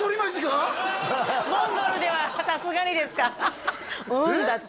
モンゴルではさすがにですかえっ？